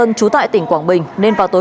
đang trú tại tỉnh quảng bình nên vào tối